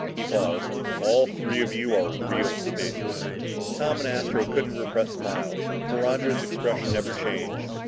He paused. "All three of you are real spacemen!" Tom and Astro couldn't repress smiles, but Roger's expression never changed.